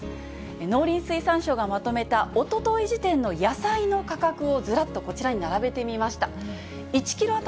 農林水産省がまとめた、おととい時点の野菜の価格をずらっとこちらに並べてみました。